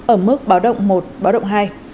ở mức báo động một báo động hai